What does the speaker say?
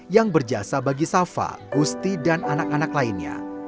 yang berjasa bagi safa gusti dan anak anak lainnya